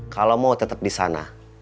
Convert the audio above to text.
kalau mau tetap di sana